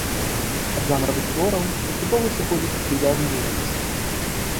Ад жанравых твораў паступова сыходзіць у пейзажны жывапіс.